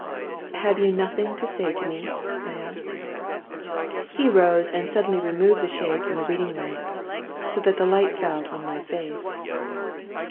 "'Have you nothing to say to me?' I asked. "He rose, and suddenly removed the shade from the reading lamp, so that the light fell on my face.